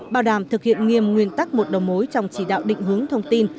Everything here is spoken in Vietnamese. bảo đảm thực hiện nghiêm nguyên tắc một đồng mối trong trì đạo định hướng thông tin